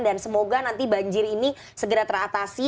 dan semoga nanti banjir ini segera teratasi